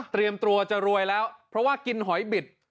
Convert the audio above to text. ตัวจะรวยแล้วเพราะว่ากินหอยบิด